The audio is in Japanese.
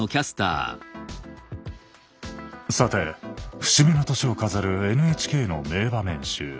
さて節目の年を飾るＮＨＫの名場面集。